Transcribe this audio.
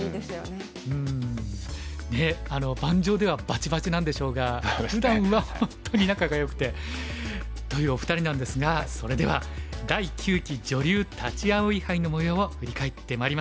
ねえ盤上ではバチバチなんでしょうがふだんは本当に仲がよくてというお二人なんですがそれでは第９期女流立葵杯のもようを振り返ってまいりましょう。